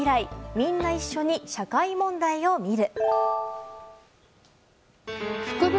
みんな一緒に社会問題を見る。